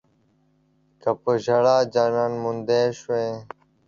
که پۀ ژړا جانان موندی شوی